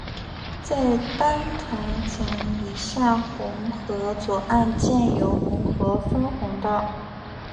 在班台闸以下洪河左岸建有洪河分洪道。